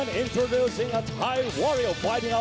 ทุนพลังคืนสั่งได้คู่ได้ไว้ใจเรา